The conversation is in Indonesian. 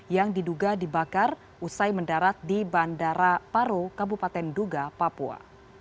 yang diduga dibakar usai mendarat di bandara paro kabupaten duga papua